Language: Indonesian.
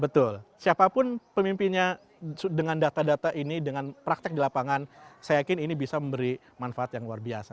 betul siapapun pemimpinnya dengan data data ini dengan praktek di lapangan saya yakin ini bisa memberi manfaat yang luar biasa